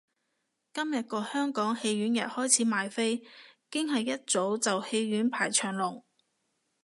今日個全港戲院日開始賣飛，堅係一早就戲院排長龍